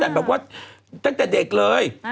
ตั้งแต่เด็กเลย